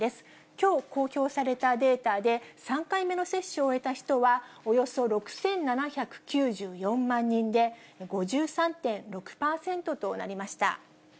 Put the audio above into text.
きょう公表されたデータで、３回目の接種を終えた人は、およそ６７９４万人で、５３．６％となりました。